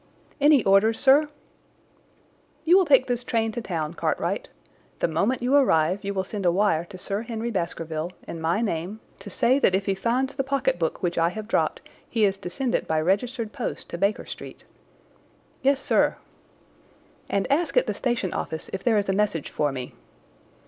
"Any orders, sir?" "You will take this train to town, Cartwright. The moment you arrive you will send a wire to Sir Henry Baskerville, in my name, to say that if he finds the pocketbook which I have dropped he is to send it by registered post to Baker Street." "Yes, sir." "And ask at the station office if there is a message for me."